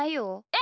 え？